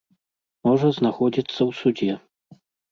Можа знаходзіцца ў судзе.